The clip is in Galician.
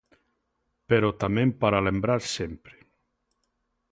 Pero tamén para lembrar sempre.